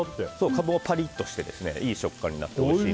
カブもパリッとしていい食感になって。